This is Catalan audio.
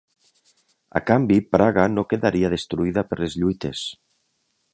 A canvi, Praga no quedaria destruïda per les lluites.